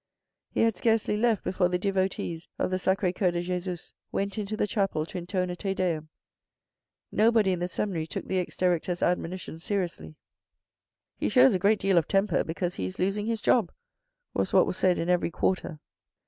He had scarcely left before the devotees of the SacrS Coeur de Jesus went into the chapel to intone a Te Deum. Nobody in the seminary took the ex director's admonition seriously. " He shows a great deal of temper because he is losing his job," was what was said in every quarter.